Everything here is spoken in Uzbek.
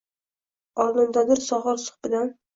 Oldindadir sohir subhidam